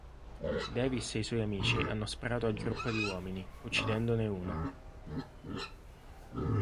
Davis e i suoi amici hanno sparato al gruppo di uomini, uccidendone uno.